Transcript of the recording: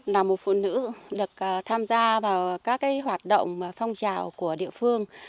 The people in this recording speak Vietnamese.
là một phụ nữ được tham gia vào các hoạt động phong trào của địa phương